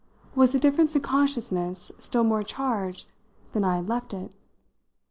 Was the difference a consciousness still more charged than I had left it?